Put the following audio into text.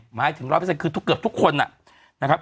หมายถึง๑๐๐คือทุกเกือบทุกคนนะครับ